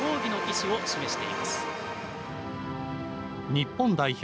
日本代表